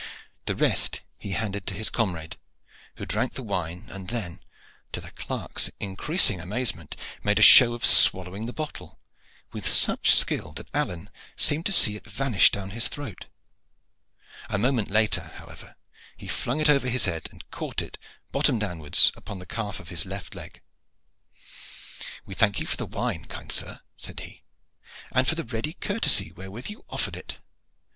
The rest he handed to his comrade, who drank the wine, and then, to the clerk's increasing amazement, made a show of swallowing the bottle, with such skill that Alleyne seemed to see it vanish down his throat. A moment later, however, he flung it over his head, and caught it bottom downwards upon the calf of his left leg. "We thank you for the wine, kind sir," said he, "and for the ready courtesy wherewith you offered it.